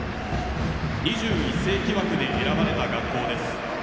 ２１世紀枠で選ばれた学校です。